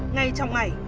ngay trong ngày